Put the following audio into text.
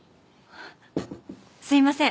すいません。